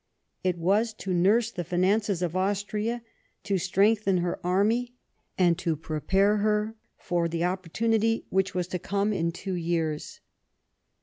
It was to nurse the finances of Austria, to strengthen her army, and to prepare her for the opportunity which was to com.e in two years.